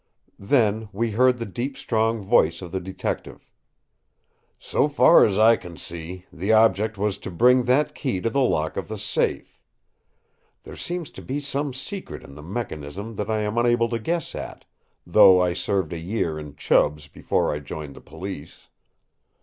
Then we heard the deep strong voice of the Detective: "So far as I can see, the object was to bring that key to the lock of the safe. There seems to be some secret in the mechanism that I am unable to guess at, though I served a year in Chubb's before I joined the police.